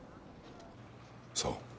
そう。